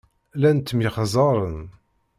Llan ttemyexzaren.